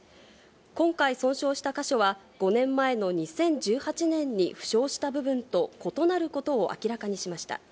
今回、損傷した箇所は、５年前の２０１８年に負傷した部分と異なることを明らかにしました。